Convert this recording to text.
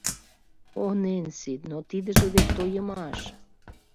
О, Ненси, но тидыже вет тойымаш!